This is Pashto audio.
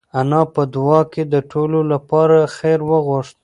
انا په دعا کې د ټولو لپاره خیر وغوښت.